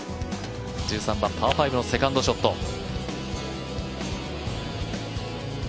１３番、パー５のセカンドショット。